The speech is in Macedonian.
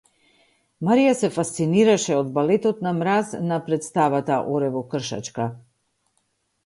Марија се фасцинираше од балетот на мраз на претставата Оревокршачка.